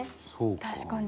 確かに。